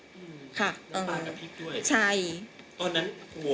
ตอนนั้นกลัวไหม